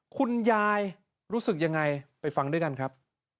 คุณยายรู้สึกยังไงไปฟังด้วยกันครับ